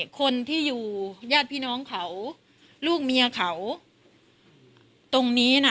กินโทษส่องแล้วอย่างนี้ก็ได้